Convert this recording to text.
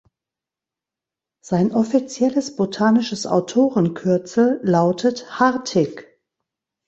Sein offizielles botanisches Autorenkürzel lautet „Hartig“.